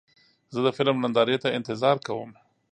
زه د فلم نندارې ته انتظار کوم.